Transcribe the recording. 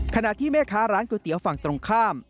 ขณะที่แม่ค้าร้านก๋วยเตี๋ยวฝั่งตรงข้าม